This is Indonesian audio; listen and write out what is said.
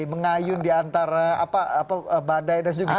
mengayun di antara apa apa badai dan segitu gitu